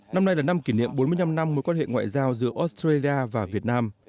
năm nay là năm kỷ niệm bốn mươi năm năm mối quan hệ ngoại giao giữa australia và việt nam